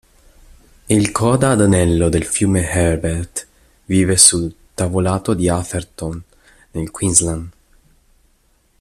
Il coda ad anello del fiume Herbert vive sul Tavolato di Atherton, nel Queensland.